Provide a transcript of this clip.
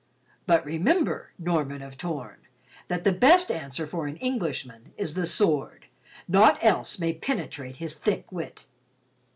"But remember, Norman of Torn, that the best answer for an Englishman is the sword; naught else may penetrate his thick wit."